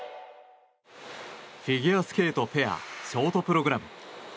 フィギュアスケートペアショートプログラム。